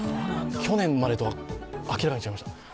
去年までとは明らかに違いました。